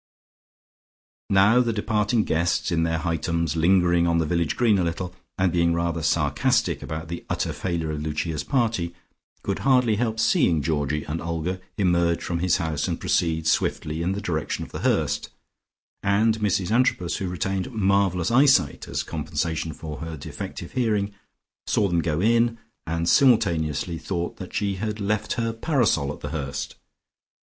Now the departing guests in their Hightums, lingering on the village green a little, and being rather sarcastic about the utter failure of Lucia's party, could hardly help seeing Georgie and Olga emerge from his house and proceed swiftly in the direction of The Hurst, and Mrs Antrobus who retained marvellous eyesight as compensation for her defective hearing, saw them go in, and simultaneously thought that she had left her parasol at The Hurst.